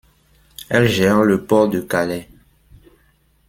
Elle gère le port de Calais.